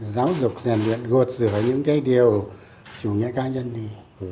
giáo dục rèn luyện gột rửa những cái điều chủ nghĩa cá nhân đi